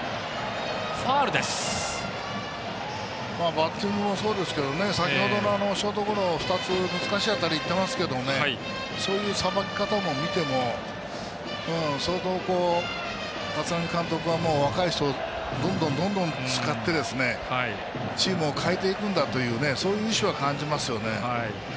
バッティングもそうですが先ほどのショートゴロ２つ難しい当たりいってますけどそういう、さばき方を見ても相当、立浪監督は若い人をどんどん使ってチームを変えていくんだというそういう意思は感じますよね。